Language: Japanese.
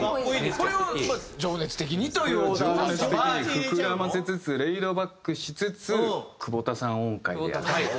これを情熱的に膨らませつつレイドバックしつつ久保田さん音階でやると。